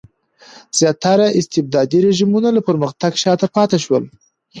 زیاتره استبدادي رژیمونه له پرمختګ شاته پاتې شول.